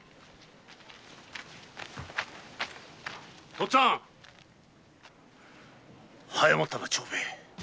とっつぁん早まったな長兵衛。